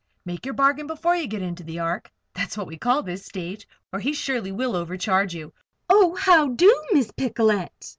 Make your bargain before you get into the Ark that's what we call this stage or he surely will overcharge you. Oh! how do, Miss Picolet!"